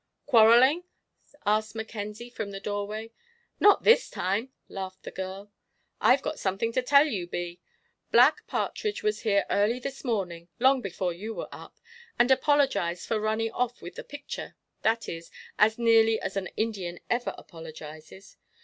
"Quarrelling?" asked Mackenzie, from the doorway. "Not this time," laughed the girl. "I've got something to tell you, Bee. Black Partridge was here early this morning, long before you were up, and apologised for running off with the picture that is, as nearly as an Indian ever apologises.